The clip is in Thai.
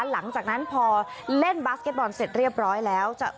หลังจากนั้นพอเล่นบาสเก็ตบอลเสร็จเรียบร้อยแล้ว